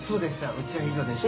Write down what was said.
うちは井戸でした。